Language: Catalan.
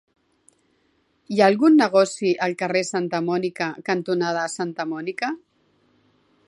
Hi ha algun negoci al carrer Santa Mònica cantonada Santa Mònica?